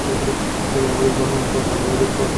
আমাদের বাঙাল দেশে ঐরূপ কখনও হইতে পায় না।